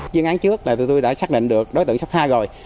chiên án trước là tụi tôi đã xác định được đối tượng sô tha rồi